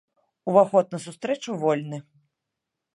Уваход на сустрэчу вольны.